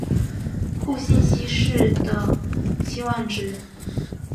互信息是的期望值。